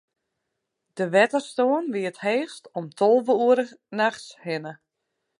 De wetterstân wie it heechst om tolve oere nachts hinne.